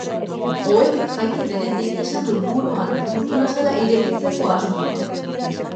Ohetik jaiki denetik izan du buruan gutunazala irekitzeko asmoa.